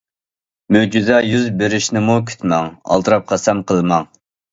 مۆجىزە يۈر بېرىشنىمۇ كۈتمەڭ، ئالدىراپ قەسەم قىلماڭ.